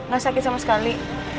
gak sakit sama sekali